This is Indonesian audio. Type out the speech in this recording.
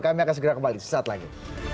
kami akan segera kembali sesaat lagi